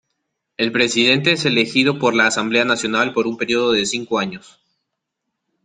El presidente es elegido por la Asamblea Nacional por un período de cinco años.